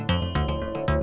nah ini keren